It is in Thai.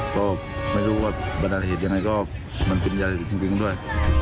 ก็ไม่รู้ว่าบรรดาเหตุยังไงก็มันเป็นยาเสพติดจริงด้วย